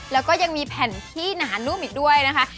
แล้วก็ยังมีแผ่นที่หนานุ่มอีกด้วยนะคะ